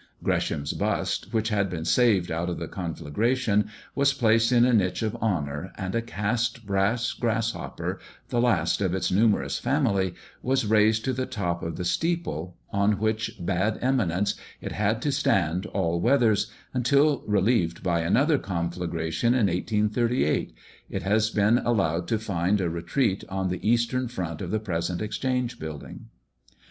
Gresham's bust, which had been saved out of the conflagration, was placed in a niche of honor, and a cast brass grasshopper, the last of its numerous family, was raised to the top of the steeple, on which bad eminence it had to stand all weathers, until, relieved by another conflagration in 1838, it has been allowed to find a retreat on the eastern front of the present Exchange building.